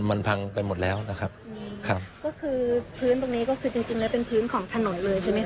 ก็คือพื้นตรงนี้ก็คือจริงแล้วเป็นพื้นของถนนเลยใช่มั้ยคะพี่